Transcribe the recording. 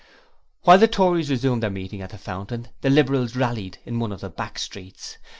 While the Tories resumed their meeting at the Fountain, the Liberals rallied in one of the back streets.